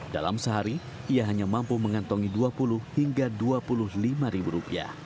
dalam sehari ia hanya mampu mengantongi dua puluh hingga dua puluh lima ribu rupiah